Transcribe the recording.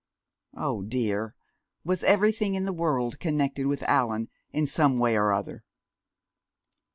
Oh, dear, was everything in the world connected with Allan in some way or other?